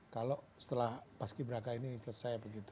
kalau setelah paski braka ini selesai begitu